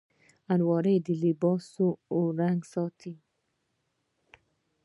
الماري د لباسونو رنګ ساتي